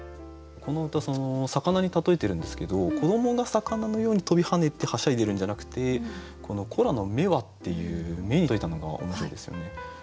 この歌魚に例えているんですけど子どもが魚のように飛び跳ねてはしゃいでるんじゃなくてこの「子らの目は」っていう目に例えたのが面白いですよね。